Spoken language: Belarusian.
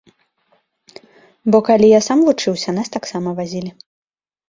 Бо калі я сам вучыўся, нас таксама вазілі.